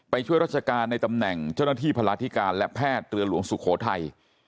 ช่วยราชการในตำแหน่งเจ้าหน้าที่พลาธิการและแพทย์เรือหลวงสุโขทัย